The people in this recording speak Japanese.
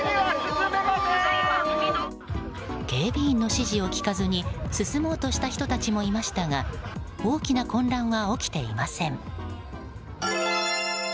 警備員の指示を聞かずに進もうとした人たちもいましたが大きな混乱は起きていません。